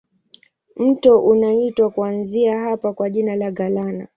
Mto unaitwa kuanzia hapa kwa jina la Galana.